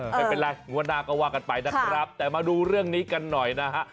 ไม่เป็นไรงวดหน้าก็ว่ากันไปนะครับแต่มาดูเรื่องนี้กันหน่อยนะฮะ